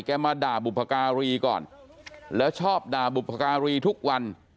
มาด่าบุพการีก่อนแล้วชอบด่าบุพการีทุกวัน